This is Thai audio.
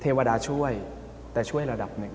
เทวดาช่วยแต่ช่วยระดับหนึ่ง